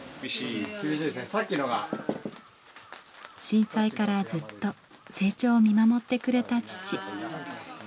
震災からずっと成長を見守ってくれた父。